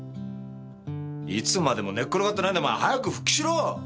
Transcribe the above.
いつまでも寝転がってないでお前早く復帰しろ！